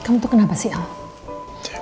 kamu tuh kenapa sih al